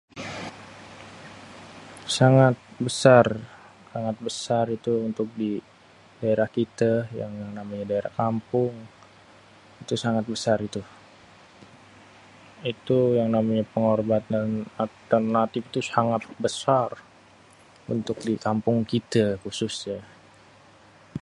Sangat, sangat besar itu untuk di daerah kite, yang namanya daerah kampung itu sangat besar itu. Itu yang namanya pengobatan alternatif itu sangat besar untuk di kampung kite khususnye.